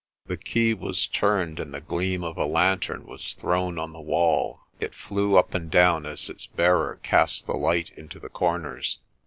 The key was turned and the gleam of a lantern was thrown on the wall. It flew up and down as its bearer cast the light into the corners.